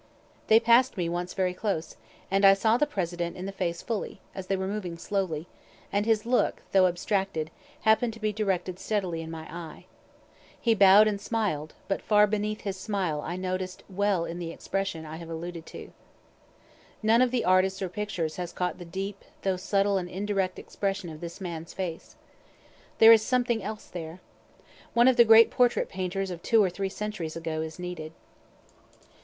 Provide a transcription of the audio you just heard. They pass'd me once very close, and I saw the President in the face fully, as they were moving slowly, and his look, though abstracted, happen'd to be directed steadily in my eye. He bow'd and smiled, but far beneath his smile I noticed well the expression I have alluded to. None of the artists or pictures has caught the deep, though subtle and indirect expression of this man's face. There is something else there. One of the great portrait painters of two or three centuries ago is needed.